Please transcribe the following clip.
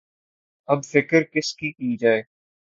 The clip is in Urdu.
اب فکر کس کی‘ کی جائے؟